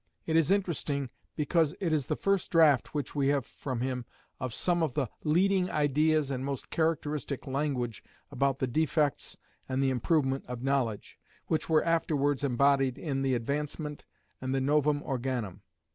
It is interesting because it is the first draught which we have from him of some of the leading ideas and most characteristic language about the defects and the improvement of knowledge, which were afterwards embodied in the Advancement and the Novum Organum.